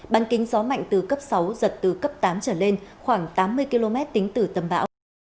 ban kính gió mạnh từ cấp sáu giật từ cấp tám trở lên khoảng tám mươi km tính từ tâm bão